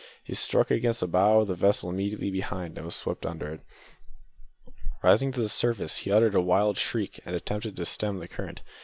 He struck against the bow of the vessel immediately behind and was swept under it. Rising to the surface, he uttered a wild shriek, and attempted to stem the current.